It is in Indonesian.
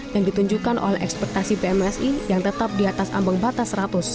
yang ditunjukkan oleh ekspektasi pmsi yang tetap di atas ambang batas seratus